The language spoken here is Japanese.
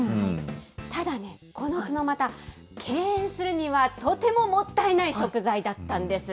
ただね、このツノマタ、敬遠するにはとてももったいない食材だったんです。